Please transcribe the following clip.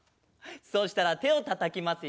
そしたらてをたたきますよ。